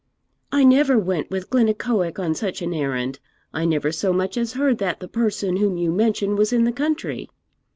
'I never went with Glennaquoich on such an errand. I never so much as heard that the person whom you mention was in the country.'